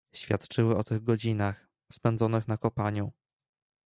"Świadczyły o tych godzinach, spędzonych na kopaniu."